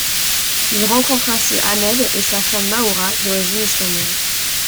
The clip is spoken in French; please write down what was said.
Il rencontre ainsi Hamed et sa femme Maoura, d'origine espagnole.